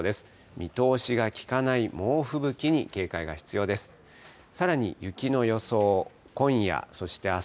見通しが利かない猛吹雪に警戒が必要です。